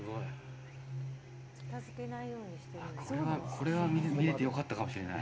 これは見れて良かったかもしれない。